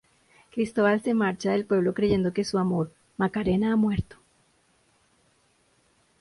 Cristóbal se marcha del pueblo creyendo que su amor, Macarena ha muerto.